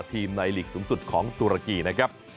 ทีมในหลีกสูงสุดของตุรกีนะครับ